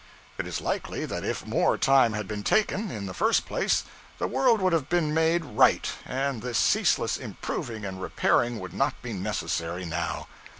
It is likely that if more time had been taken, in the first place, the world would have been made right, and this ceaseless improving and repairing would not be necessary now.